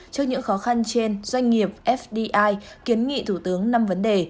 trước những khó khăn trên doanh nghiệp fdi kiến nghị thủ tướng năm vấn đề